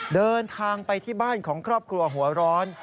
เดินทางไปที่บ้านของครอบครัวหัวร้อน